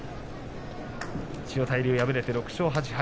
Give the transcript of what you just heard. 千代大龍、敗れて６勝８敗。